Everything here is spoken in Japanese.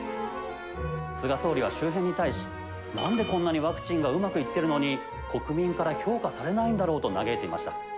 菅総理は周辺に対し、なんでこんなにワクチンがうまくいってるのに、国民から評価されないんだろうと嘆いていました。